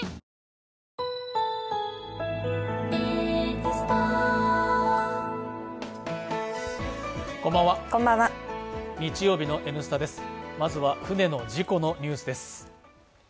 まずは船の事故のニュースです。